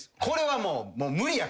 これはもう。